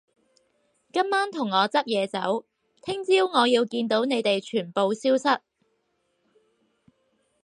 今晚同我執嘢走，聽朝我要見到你哋全部消失